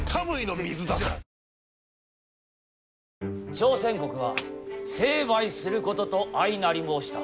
朝鮮国は成敗することと相なり申した。